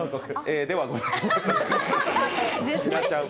ではございません。